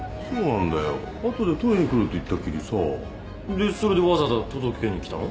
でそれでわざわざ届けに来たの？